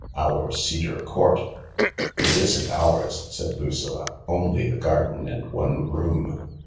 Our Cedar Court." " It isn't ours," said Lucilla— " only the garden and one room."